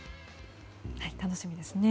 楽しみですね。